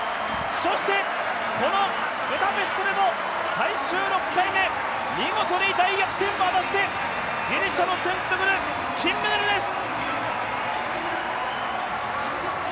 そして、このブダペストでの最終６回目、見事に大逆転を果たしてギリシャのテントグル、金メダルです。